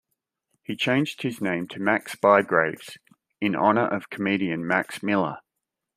He changed his name to Max Bygraves in honour of comedian Max Miller.